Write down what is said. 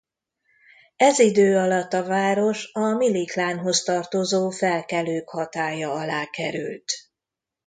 Ez idő alatt a város a Milli klánhoz tartozó felkelők hatálya alá került.